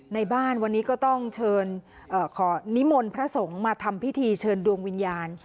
ในบ้านวันนี้ก็ต้องเชิญขอนิมนต์พระสงฆ์มาทำพิธีเชิญดวงวิญญาณ